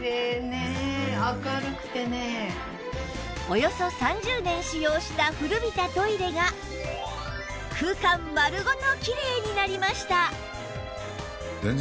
およそ３０年使用した古びたトイレが空間丸ごときれいになりました